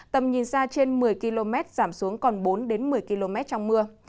tầm nhìn ra trên một mươi km giảm xuống còn bốn đến một mươi km trong mưa